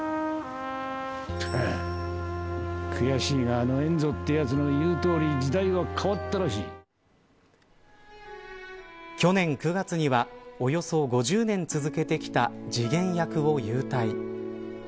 悔しいが、あのエンドウっていうやつのいうとおり去年９月にはおよそ５０年続けてきた次元役を勇退。